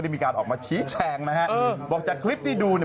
มาทำไงนะ